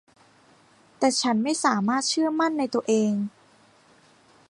แต่ฉันไม่สามารถเชื่อมั่นในตัวเอง